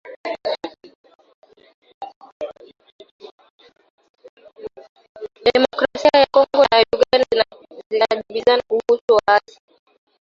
Demokrasia ya Kongo na Rwanda zajibizana kuhusu waasi